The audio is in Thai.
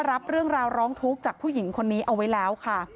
รับเรื่องราวร้องทุกข์จากผู้หญิงคนนี้เอาไว้แล้วค่ะ